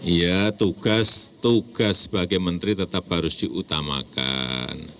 iya tugas sebagai menteri tetap harus diutamakan